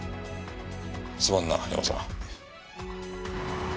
すまんなヤマさん。